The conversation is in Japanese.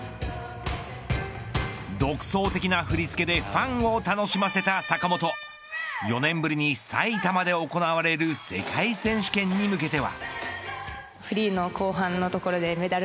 独創的な振り付けでファンを楽しませた坂本４年ぶりに埼玉で行われる世界選手権に向けては。